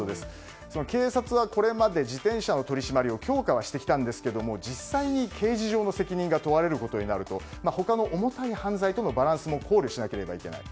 警察はこれまで自転車の取り締まりを強化はしてきたんですけども実際に刑事上の責任が問われることになると他の重たい犯罪とのバランスも考慮しなければいけない。